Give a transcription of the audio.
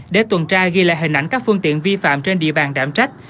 để tuần tra ghi lại hình ảnh các phương tiện vi phạm trên địa bàn đảm trách